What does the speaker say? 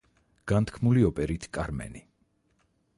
განთქმული ოპერით „კარმენი“.